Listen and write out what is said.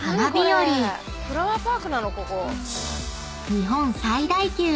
［日本最大級！